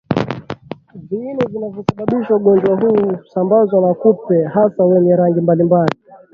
Viini vinavyosababisha ugonjwa huu husambazwa na kupe hasa wenye rangi mbalimbali